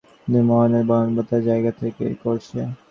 নিঃসন্দেহে এটা তাদের মানবতার জায়গা থেকে করছে।